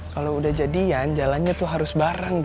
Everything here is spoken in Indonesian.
kalau udah jadian jalannya tuh harus bareng